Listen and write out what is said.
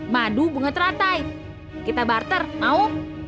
madu bunga teratai kita barter mau